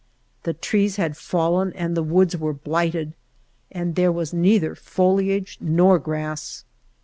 The trees had fallen and the woods were blighted, and there was neither foliage nor grass.